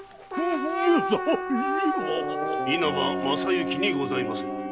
稲葉正行にございまする。